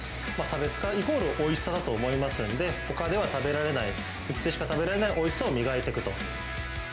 差別化、イコールおいしさだと思いますので、ほかでは食べられない、うちでしか食べられないおいしさを磨いていくと。